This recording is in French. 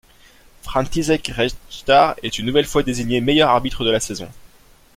František Rejthar est une nouvelle fois désigné meilleur arbitre de la saison.